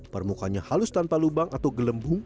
permukanya halus tanpa lubang atau gelembung